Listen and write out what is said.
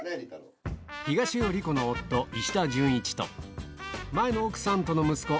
東尾理子の夫石田純一と前の奥さんとの息子